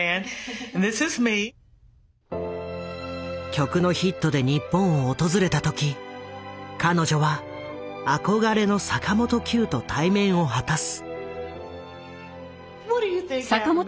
曲のヒットで日本を訪れた時彼女は憧れの坂本九と対面を果たす。